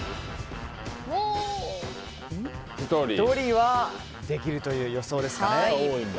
１人はできるという予想ですかね。